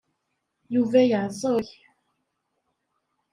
Yuba yeɛẓeg.